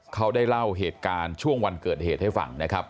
เขาได้เล่าเหตุการณ์ช่วงวันเกิดเหตุให้ฟังนะครับ